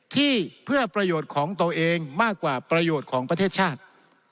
ที่เพื่อประโยชน์ของตัวเองมากกว่าประโยชน์ของประเทศชาติ